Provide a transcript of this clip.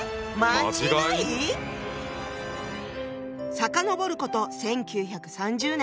⁉遡ること１９３０年。